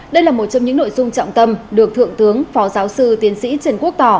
đây là một trong những nội dung trọng tâm được thượng tướng phó giáo sư tiến sĩ trần quốc tỏ